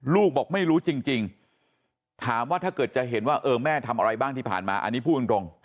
ลูกบอกไม่รู้จริงถามว่าถ้าเกิดจะเห็นว่าเออแม่ทำอะไรบ้างที่ผ่านมาอันนี้พูดตรง